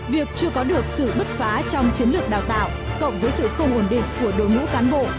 việc chưa có được sự bứt phá trong chiến lược đào tạo cộng với sự không ổn định của đội ngũ cán bộ